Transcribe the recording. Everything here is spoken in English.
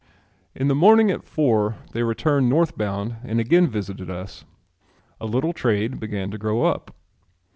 In the morning at four they returned north bound and again visited us. A little trade began to grow up.